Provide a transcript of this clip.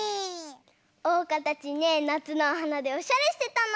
おうかたちねなつのおはなでおしゃれしてたの！